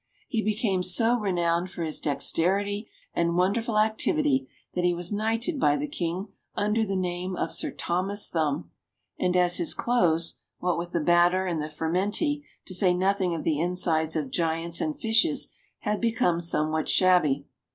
He became so re nowned for his dexterity and wonderful activity, that he was knighted by the King under the name of Sir Thomas Thumb, and as his clothes, what with the batter and the furmenty, to say nothing of the insides of giants and fishes, had become somewhat shabby.